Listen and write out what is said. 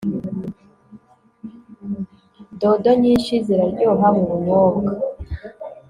dodo nyinshi ziraryoha mubunyobwa